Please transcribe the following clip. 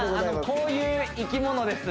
こういう生き物です